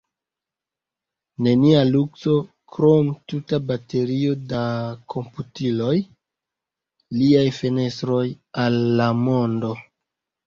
Nenia lukso, krom tuta baterio da komputiloj – liaj fenestroj al la mondo.